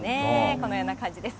このような感じです。